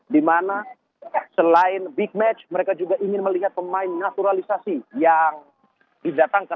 dimana selain big match mereka juga ingin melihat pemain naturalisasi yang didatangkan